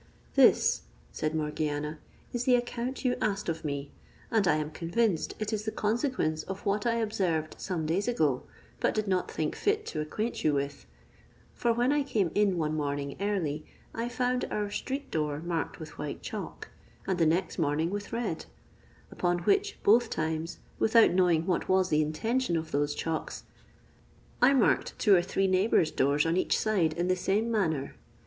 "This," said Morgiana, "is the account you asked of me; and I am convinced it is the consequence of what I observed some days ago, but did not think fit to acquaint you with: for when I came in one morning early, I found our street door marked with white chalk, and the next morning with red; upon which, both times, without knowing what was the intention of those chalks, I marked two or three neighbours' doors on each side in the same manner.